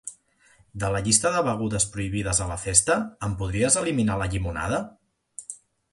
De la llista de begudes prohibides a la festa en podries eliminar la llimonada?